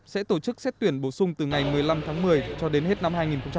sẽ tổ chức xét tuyển bổ sung từ ngày một mươi năm tháng một mươi cho đến hết năm hai nghìn hai mươi